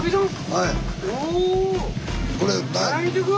はい。